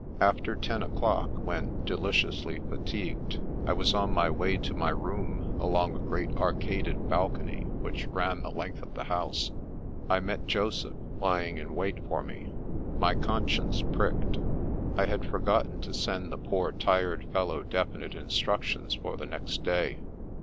After ten o'clock, when, deliciously fatigued, I was on my way to my room along a great arcaded balcony which ran the length of the house, I met Joseph, lying in wait for me. My conscience pricked. I had forgotten to send the poor, tired fellow definite instructions for the next day.